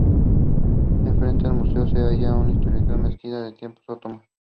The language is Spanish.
Enfrente del museo se halla una histórica mezquita de tiempos otomanos.